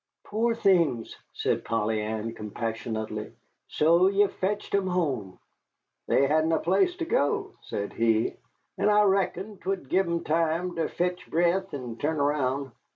"Pore things!" said Polly Ann, compassionately. "So ye fetched 'em home." "They hadn't a place ter go," said he, "and I reckoned 'twould give 'em time ter ketch breath, an' turn around.